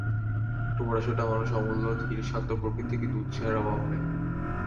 একটু মোটাসোটা মানুষ অমূল্য, ধীর শান্ত প্রকৃতি, কিন্তু উৎসাহের অভাব নাই।